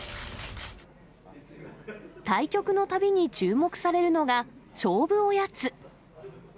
対局のたびに注目されるのが、勝負おやつ。